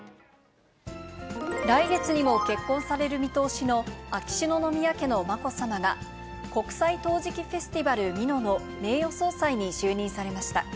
来月にも結婚される見通しの、秋篠宮家のまこさまが、国際陶磁器フェスティバル美濃の名誉総裁に就任されました。